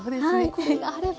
これがあれば。